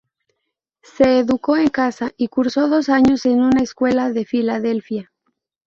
Se educó en casa y cursó dos años en una escuela de Filadelfia.